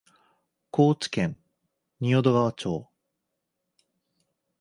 高知県仁淀川町